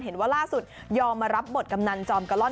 เห็นว่าล่าสุดยอมมารับบทกำนันจอมกะล่อน